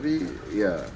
belum ada tapi ya